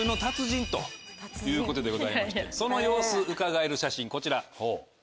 ということでございましてその様子うかがえる写真こちら。